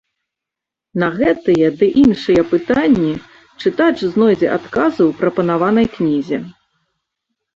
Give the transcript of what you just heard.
На гэтыя ды іншыя пытанні чытач знойдзе адказы ў прапанаванай кнізе.